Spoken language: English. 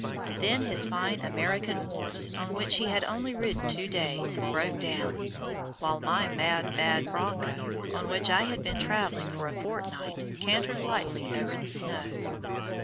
Then his fine American horse, on which he had only ridden two days, broke down, while my "mad, bad bronco," on which I had been traveling for a fortnight, cantered lightly over the snow.